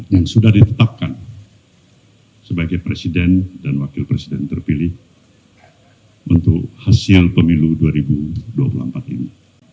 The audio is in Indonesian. yang sudah ditetapkan sebagai presiden dan wakil presiden terpilih untuk hasil pemilu dua ribu dua puluh empat ini